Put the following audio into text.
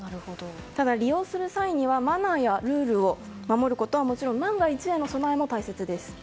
ただ、利用する際にはマナーやルールを守ることはもちろん万が一への備えも大切です。